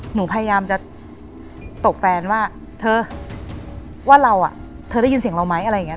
หนูพยายามจะตบแฟนว่าเธอว่าเราอ่ะเธอได้ยินเสียงเราไหมอะไรอย่างนี้